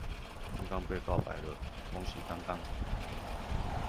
剛剛被告白了，恭喜剛剛